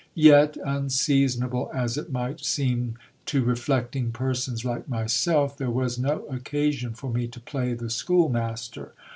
Yet, unseasonable as it might seem to reflecting persons like my self, there was no occasion for me to play the schoolmaster.